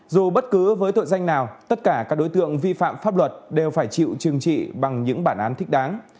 dù bất cứ với tội danh nào tất cả các đối tượng vi phạm pháp luật đều phải chịu chừng trị bằng những bản án thích đáng